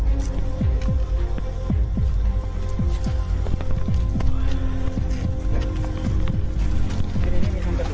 ทุกอย่างที่เผาไปมันไม่ได้มีอะไร